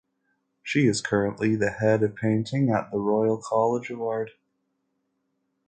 She is currently the head of painting at the Royal College of Art.